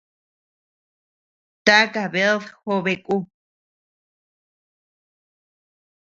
¿Taka bead jobeku?